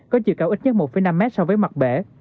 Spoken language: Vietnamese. có chiều cao ít nhất một năm mét so với mặt bể